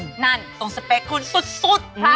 จะเล่าไว้ช่วงชน